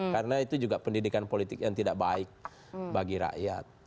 karena itu juga pendidikan politik yang tidak baik bagi rakyat